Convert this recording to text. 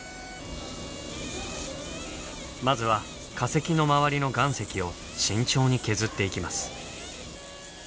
まずは化石の周りの岩石を慎重に削っていきます。